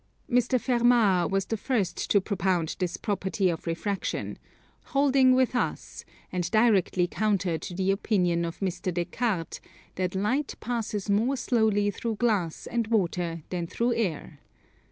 Mr. Fermat was the first to propound this property of refraction, holding with us, and directly counter to the opinion of Mr. Des Cartes, that light passes more slowly through glass and water than through air.